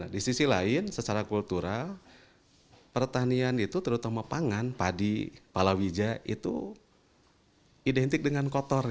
di sisi lain secara kultural pertanian itu terutama pangan padi palawija itu identik dengan kotor